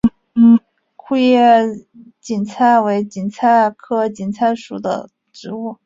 库页堇菜为堇菜科堇菜属的植物。